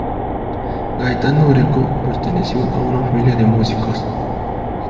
Gaetano Greco perteneció a una familia de músicos.